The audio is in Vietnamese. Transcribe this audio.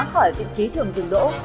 khỏi vị trí thường dừng đỗ